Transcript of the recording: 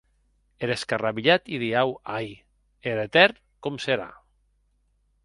Er escarrabilhat ideau, ai!, er etèrn com serà?